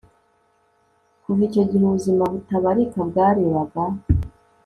Kuva icyo gihe ubuzima butabarika bwarebaga